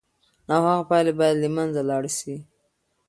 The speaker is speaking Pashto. ناخوښه پایلې باید له منځه لاړې سي.